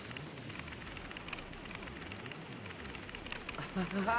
アハハハハ！